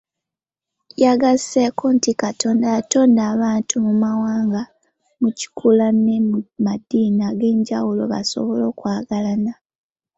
Yagasseeko nti Katonda yatonda abantu mu mawanga, mu kikula, ne mu maddiini ag'enjawulo basobole okwagalana.